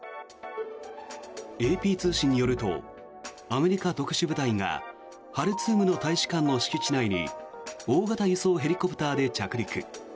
ＡＰ通信によるとアメリカ特殊部隊がハルツームの大使館の敷地内に大型輸送ヘリコプターで着陸。